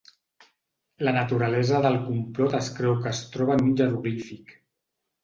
La naturalesa del complot es creu que es troba en un jeroglífic.